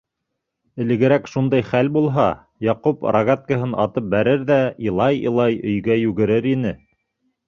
Элегерәк шундай хәл булһа, Яҡуп рогаткаһын атып бәрер ҙә илай-илай өйгә йүгерер ине.